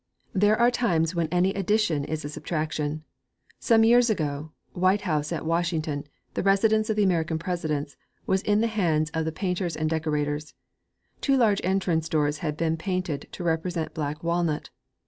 There are times when any addition is a subtraction. Some years ago, White House at Washington the residence of the American Presidents was in the hands of the painters and decorators. Two large entrance doors had been painted to represent black walnut.